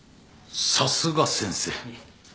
さすが先生。